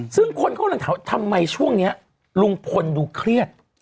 ซึ่งคนเขาถามทำไมช่วงเนี้ยลุงพลดูเครียด